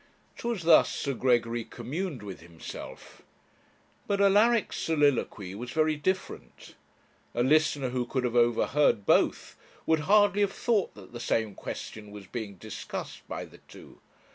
'Twas thus Sir Gregory communed with himself. But Alaric's soliloquy was very different. A listener who could have overheard both would hardly have thought that the same question was being discussed by the two.